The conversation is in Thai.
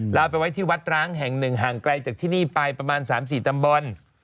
เอาไปไว้ที่วัดร้างแห่งหนึ่งห่างไกลจากที่นี่ไปประมาณ๓๔ตำบล